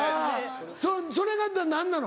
それが何なの？